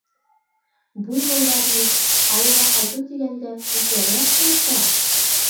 Буйволдар ни, ауылға ҡайтыу тигәндә, үҙҙәре ашҡынып тора.